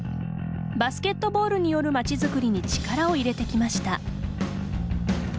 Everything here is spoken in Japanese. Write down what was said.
バスケットボールによる町づくりに力を入れてきました。